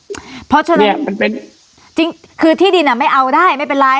อืมเพราะฉะนั้นจริงคือที่ดินอ่ะไม่เอาได้ไม่เป็นไรอ่า